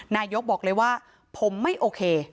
นายกบอกเลยว่าผมไม่โอเค